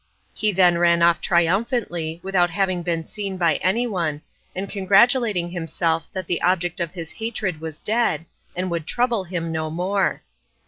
He then ran off triumphantly, without having been seen by anyone, and congratulating himself that the object of his hatred was dead, and would trouble him no more.